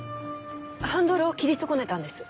ハンドルを切り損ねたんです。